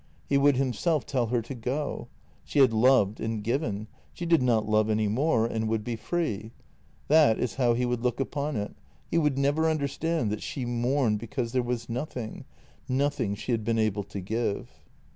He would himself tell her to go. She had loved and given; she did not love any more, and would be free. That is how he would look upon it; he would never understand that she mourned because there was nothing — nothing she had been able to give.